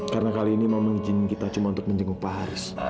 karena kali ini mau mengijinin kita cuma untuk menjenguk pak haris